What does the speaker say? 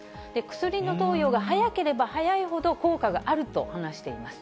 薬の投与が早ければ早いほど、効果があると話しています。